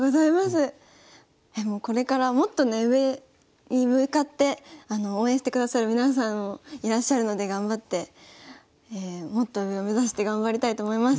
これからもっとね上に向かって応援してくださる皆さんもいらっしゃるので頑張ってもっと上を目指して頑張りたいと思います。